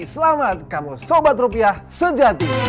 selamat kamu sobat rupiah sejati